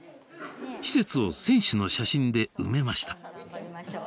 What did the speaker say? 施設を選手の写真で埋めました。